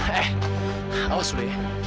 eh awas lu ya